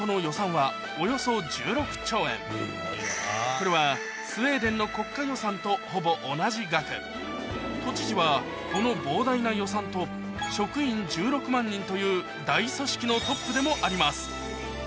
これはスウェーデンの国家予算とほぼ同じ額都知事はこのという大組織のトップでもあります